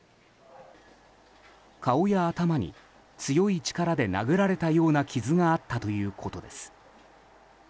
顔や頭に強い力で殴られたような傷があったということです。